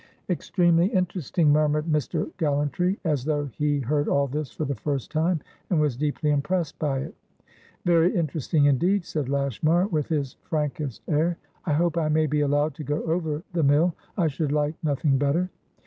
"Extremely interesting," murmured Mr. Gallantry, as though he heard all this for the first time, and was deeply impressed by it. "Very interesting indeed," said Lashmar, with his frankest air. "I hope I may be allowed to go over the mill; I should like nothing better."